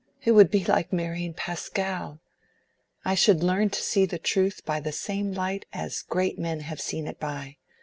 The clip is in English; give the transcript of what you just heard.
It would be like marrying Pascal. I should learn to see the truth by the same light as great men have seen it by.